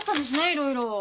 いろいろ。